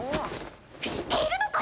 知っているのか？